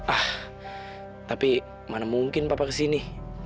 ah tapi mana mungkin papa kesini